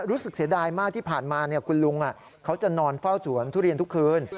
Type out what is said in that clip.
เสียดายมากที่ผ่านมาคุณลุงเขาจะนอนเฝ้าสวนทุเรียนทุกคืน